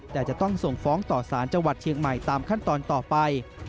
แต่จะต้องส่งฟ้องต่อสารจังหวัดเชียงใหม่ตามขั้นตอนต่อไป